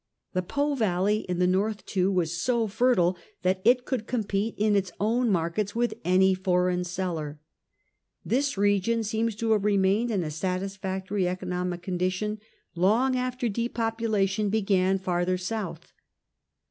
The Po valley in the north, too, was so fertile that it could compete in its own markets with any foreign seller. This region seems to have remained in a satisfactory economic condition long after depopulation began farther south.